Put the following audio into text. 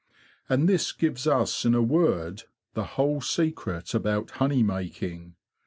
And this gives us in a word the whole secret about honey making.